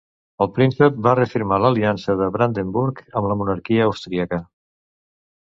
El príncep va reafirmar l'aliança de Brandenburg amb la monarquia austríaca.